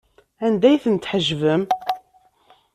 Anda ay ten-tḥejbem?